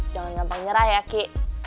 jangan gampang nyerah ya ki